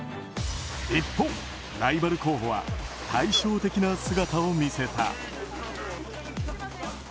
一方、ライバル候補は対照的な姿を見せた。